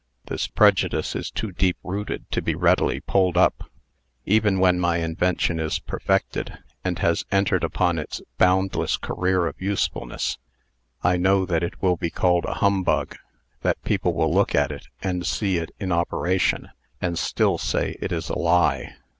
This prejudice is too deep rooted to be readily pulled up. Even when my invention is perfected, and has entered upon its boundless career of usefulness, I know that it will be called a humbug; that people will look at it, and see it in operation, and still say it is a lie.